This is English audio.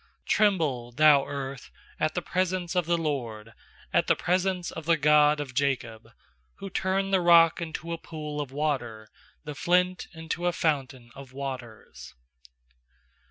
7Tremble, thou earth, at the pres ence of the Lord, At the presence of the God of Jacob ; 8Who turned the rock into a pool of water, The flint into a fountain of waters.